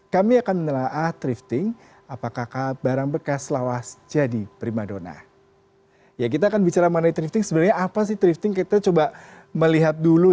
kami akan menelah thrifting apakah barang bekas lawas jadi primadona